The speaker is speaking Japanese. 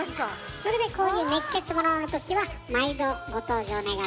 それでこういう熱血もののときは毎度ご登場願ってるの。